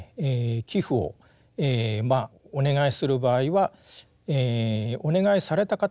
寄附をお願いする場合はお願いされた方のですね